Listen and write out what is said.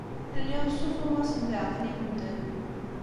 Lliɣ ssuffuɣeɣ-asen leɛqel i medden.